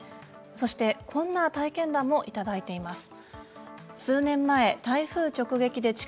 こんな体験談もいただいています。